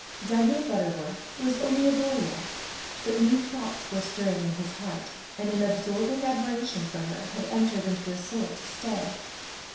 Daniel Butterworth was only a boy yet, but new thoughts were stirring in his heart, and an absorbing admiration for her had entered into his soul to stay.